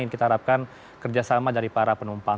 ini kita harapkan kerjasama dari para penumpang